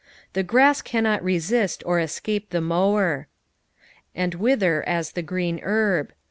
The grass cannot. resbt or escape the mower. " And wither as t' e grem ierb."